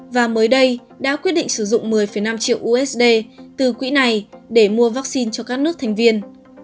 và mới đây đã quyết định sử dụng một mươi năm triệu usd từ quỹ này để mua vaccine cho các nước thành viên